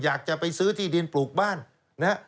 อยากจะไปซื้อที่ดินปลูกบ้านนะฮะ